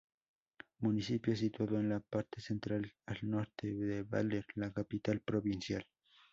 Municipio situado en la parte central, al norte de Baler, la capital provincial.